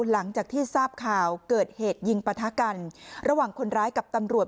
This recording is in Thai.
หลังจากที่ทราบข่าวเกิดเหตุยิงปะทะกันระหว่างคนร้ายกับตำรวจ